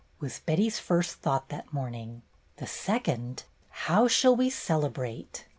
was Betty's first I . thought that morning; the second, "How shall we celebrate?"